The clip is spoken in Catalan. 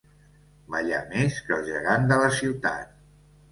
Ballar més que el gegant de la ciutat.